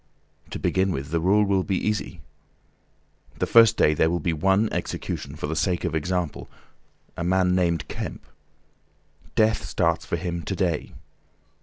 To begin with the rule will be easy. The first day there will be one execution for the sake of example—a man named Kemp. Death starts for him to day.